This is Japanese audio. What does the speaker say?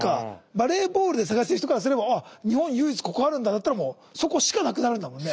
バレーボールで探してる人からすれば日本唯一ここあるんだったらもうそこしかなくなるんだもんね。